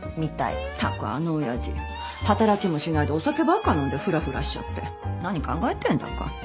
ったくあの親父働きもしないでお酒ばっか飲んでふらふらしちゃって何考えてんだか。